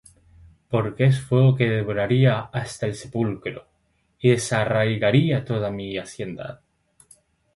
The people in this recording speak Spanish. Porque es fuego que devoraría hasta el sepulcro, Y desarraigaría toda mi hacienda.